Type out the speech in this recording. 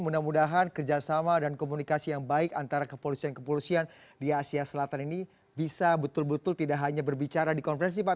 mudah mudahan kerjasama dan komunikasi yang baik antara kepolisian kepolisian di asia selatan ini bisa betul betul tidak hanya berbicara di konferensi pak